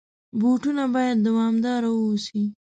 بوټونه باید دوامدار واوسي.